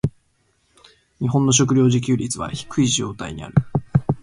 日本の食糧自給率は低い状態にある。